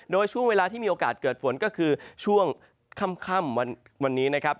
โดยช่วงเวลาที่มีโอกาสเกิดฝนก็คือช่วงค่ำวันนี้นะครับ